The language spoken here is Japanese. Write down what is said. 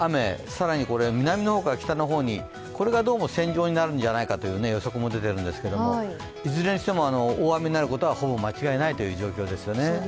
更に南の方から北の方にこれがどうも線状になるのではないかという予測も出ているんですけれどもいずれにしても、大雨になることはほぼ間違いないという状況です。